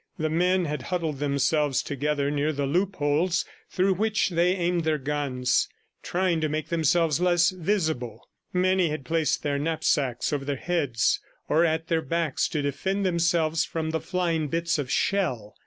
The men had huddled themselves together near the loopholes through which they aimed their guns, trying to make themselves less visible. Many had placed their knapsacks over their heads or at their backs to defend themselves from the flying bits of shell.